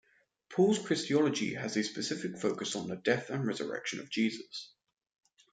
Paul's Christology has a specific focus on the death and resurrection of Jesus.